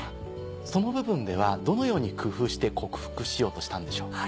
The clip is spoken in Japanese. その部分ではどのように工夫して克服しようとしたんでしょう？